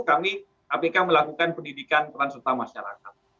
kami kpk melakukan pendidikan peran serta masyarakat